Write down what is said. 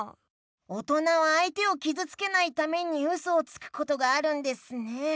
おとなはあいてをきずつけないためにウソをつくことがあるんですね。